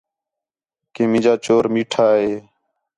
کہ مینجا چور میٹھا ہے